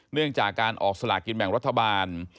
เนื่องจากการออกสลากินแบ่งรัฐบาล